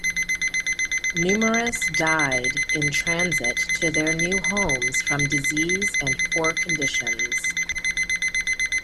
Numerous died in transit to their new homes from disease and poor conditions.